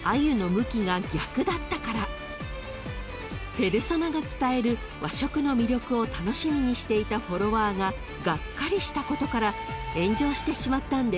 ［ペルソナが伝える和食の魅力を楽しみにしていたフォロワーががっかりしたことから炎上してしまったんです］